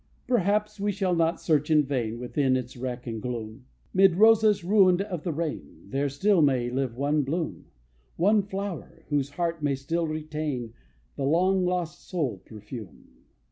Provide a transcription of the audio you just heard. Perhaps we shall not search in vain Within its wreck and gloom; 'Mid roses ruined of the rain There still may live one bloom; One flower, whose heart may still retain The long lost soul perfume.